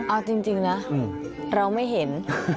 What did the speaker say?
เอาจริงนะเราไม่เห็น